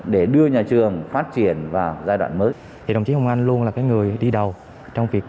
để đưa nhà trường phát triển vào giai đoạn mới thì đồng chí hồng an luôn là người đi đầu trong việc